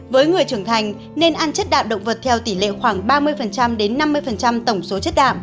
với người trưởng thành nên ăn chất đạm động vật theo tỷ lệ khoảng ba mươi đến năm mươi tổng số chất đạm